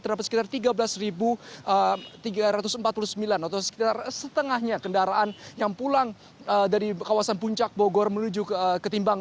terdapat sekitar tiga belas tiga ratus empat puluh sembilan atau sekitar setengahnya kendaraan yang pulang dari kawasan puncak bogor menuju ketimbang